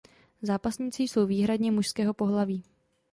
Zápasníci jsou výhradně mužského pohlaví.